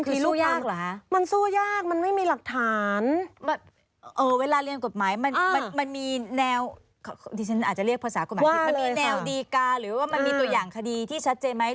หรือว่ามันมีตัวอย่างคดีที่ชัดเจนไหม